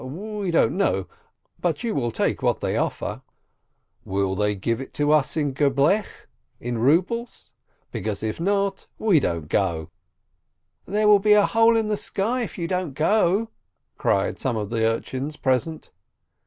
"We don't know, but you will take what they offer." "Will they give it us in kerblech? Because, if not, we don't go." "There will be a hole in the sky if you don't go," cried some of the urchins present.